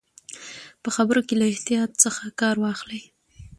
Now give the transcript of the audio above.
په خبرو کې له احتیاط څخه کار واخلئ.